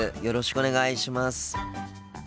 よろしくお願いします。